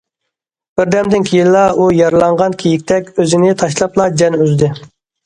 بىر دەمدىن كېيىنلا ئۇ يارىلانغان كېيىكتەك ئۆزىنى تاشلاپلا جان ئۈزدى.